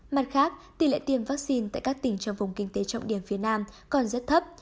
mặt khác tỷ lệ tiêm vaccine tại các tỉnh trong vùng kinh tế trọng điểm phía nam còn rất thấp